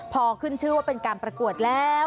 พอขึ้นชื่อว่าเป็นการประกวดแล้ว